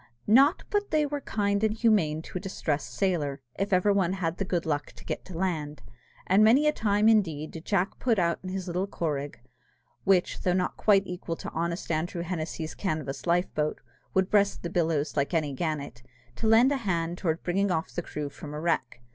Not but they were kind and humane to a distressed sailor, if ever one had the good luck to get to land; and many a time indeed did Jack put out in his little corragh (which, though not quite equal to honest Andrew Hennessy's canvas life boat, would breast the billows like any gannet), to lend a hand towards bringing off the crew from a wreck.